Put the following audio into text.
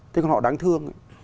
thế còn họ đáng thương